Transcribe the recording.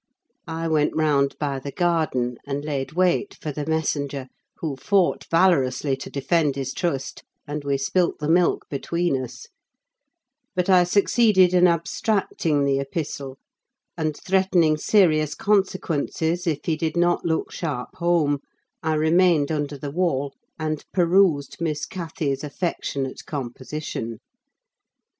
I went round by the garden, and laid wait for the messenger; who fought valorously to defend his trust, and we spilt the milk between us; but I succeeded in abstracting the epistle; and, threatening serious consequences if he did not look sharp home, I remained under the wall and perused Miss Cathy's affectionate composition.